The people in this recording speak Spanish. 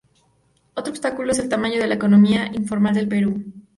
Otro obstáculo es el tamaño de la economía informal del Perú.